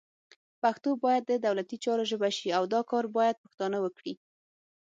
پښتو باید د دولتي چارو ژبه شي، او دا کار باید پښتانه وکړي